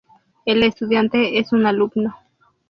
El estudiante es un alumno.